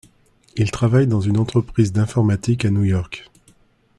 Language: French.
Il travaille dans une entreprise d’informatique à New York.